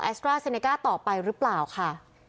สตราเซเนก้าต่อไปหรือเปล่าค่ะ